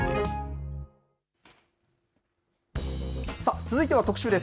続いては特集です。